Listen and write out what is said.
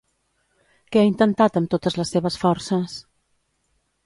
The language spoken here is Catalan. Què ha intentat amb totes les seves forces?